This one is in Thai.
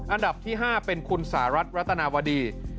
อันดับที่๕เป็นคุณสหรัฐรัตนาวดี